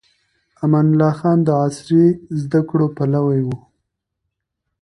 امان الله خان د عصري زده کړو پلوي و.